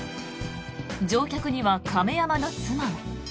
乗客には亀山の妻も。